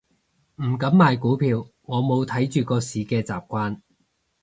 唔敢買股票，我冇睇住個市嘅習慣